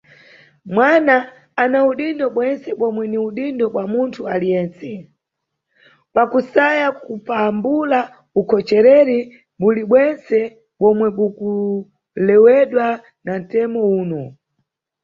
Mwana ana udindo bwentse bomwe ni udindo bwa munthu aliwentse, pakusaya kupambula ukhochereri bulibwentse bomwe bukulewedwa na ntemo uno.